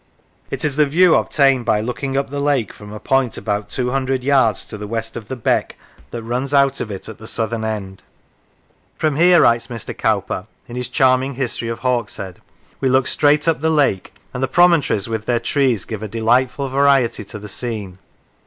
It is the view obtained by looking up the lake from a point about 200 yards to the west of the beck that runs out of it at the southern end. " From here," writes Mr. Cowper, in his charming " History of Hawkshead," " we look straight up the lake, and the promontories, with their trees, give a delightful variety to the scene.